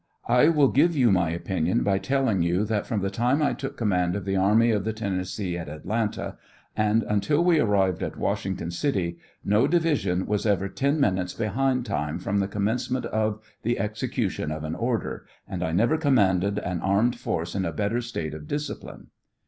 I will give you my opinion by telling you that from the time I took command of the army of the Ten nessee at Atlanta, and until we arrived at Washington city, no division was ever ten minutes behind time from the commencement of the execution of an order, and I never commanded an armed force in a better state of discipline.